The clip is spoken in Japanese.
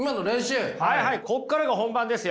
ここからが本番ですよ。